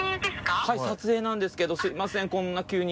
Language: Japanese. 撮影なんですけどすいませんこんな急に。